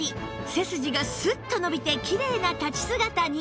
背筋がスッと伸びてきれいな立ち姿に